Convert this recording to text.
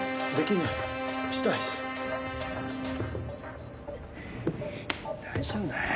大丈夫だよ。